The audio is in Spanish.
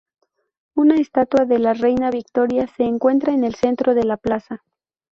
Una estatua de la reina Victoria se encuentra en el centro de la plaza.